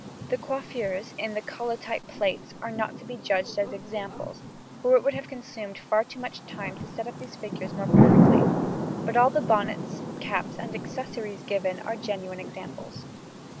The coiffures in the collotype plates are not to be judged as examples, for it would have consumed far too much time to set up these figures more perfectly, but all the bonnets, caps, and accessories given are genuine examples.